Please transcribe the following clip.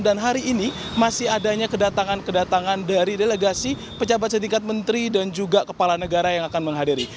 dan hari ini masih adanya kedatangan kedatangan dari delegasi pejabat sedikat menteri dan juga kepala negara yang akan menghadiri